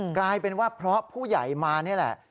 กลายเป็นว่าเพราะผู้ใหญ่มานี่แหละ